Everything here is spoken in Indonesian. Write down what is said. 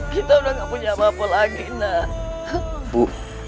kita udah gak punya apa apa lagi nak bu